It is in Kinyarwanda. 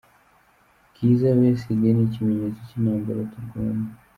Kizza Besigye ni ikimenyetso cy’intambara turwana.